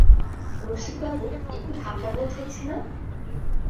রসিকবাবু, একটু ঠাণ্ডা বোধ হচ্ছে না?